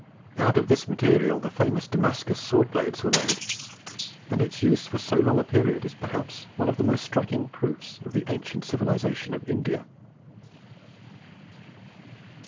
Out of this material the famous Damascus sword blades were made; and its use for so long a period is perhaps one of the most striking proofs of the ancient civilization of India.